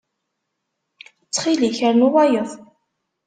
Ttxil-k, rnu wayeḍ.